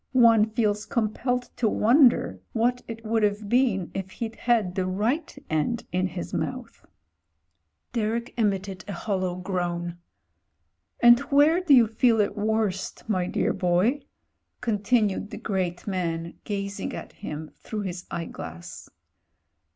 "One feels compelled to wonder what it would have been if he'd had the right end in his mouth." Derek emitted a hollow groan. "And where do you feel it worst, my dear boy ?" continued the great man, gazing at him through his eyeglass.